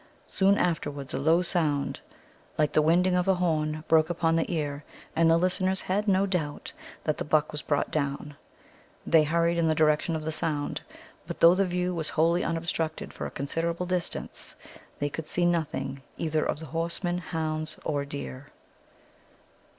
Soon afterwards a low sound, like the winding of a horn, broke upon the ear, and the listeners had no doubt that the buck was brought down. They hurried in the direction of the sound, but though the view was wholly unobstructed for a considerable distance, they could see nothing either of horsemen, hounds, or deer.